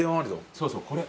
そうそうこれ。